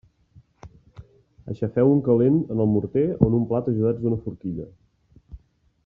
Aixafeu-ho en calent en el morter o en un plat ajudats d'una forquilla.